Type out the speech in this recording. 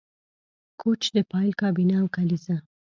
کوچ د فایل کابینه او کلیزه